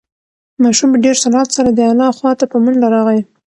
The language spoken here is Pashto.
ماشوم په ډېر سرعت سره د انا خواته په منډه راغی.